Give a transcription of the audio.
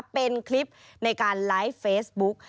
เป็นคลิปในการไลฟ์เฟซบุ๊ก